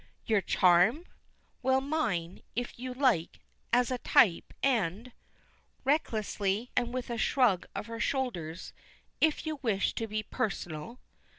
"Your charm?" "Well, mine, if you like, as a type, and" recklessly and with a shrug of her shoulders "if you wish to be personal."